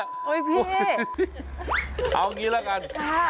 เอาอย่างนี้ละกัน